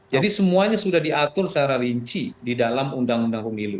jadi semuanya sudah diatur secara rinci di dalam undang undang pemilu